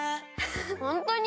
ホントに？